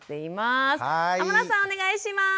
お願いします！